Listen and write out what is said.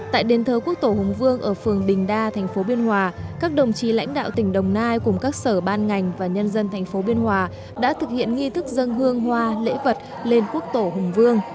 tại đền thờ quốc tổ hùng vương ở phường bình đa thành phố biên hòa các đồng chí lãnh đạo tỉnh đồng nai cùng các sở ban ngành và nhân dân thành phố biên hòa đã thực hiện nghi thức dân hương hoa lễ vật lên quốc tổ hùng vương